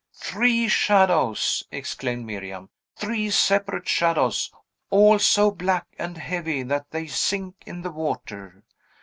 "Three shadows!" exclaimed Miriam "three separate shadows, all so black and heavy that they sink in the water!